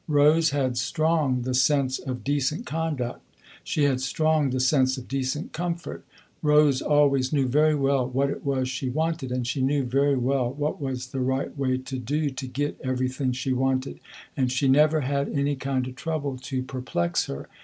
Rose had strong the sense of decent conduct, she had strong the sense of decent comfort. Rose always knew very well what it was she wanted, and she knew very well what was the right way to do to get everything she wanted, and she never had any kind of trouble to perplex her.